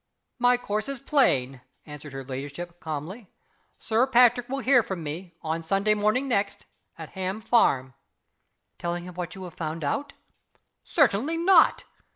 "My course is plain," answered her ladyship, calmly. "Sir Patrick will hear from me, on Sunday morning next, at Ham Farm." "Telling him what you have found out?" "Certainly not!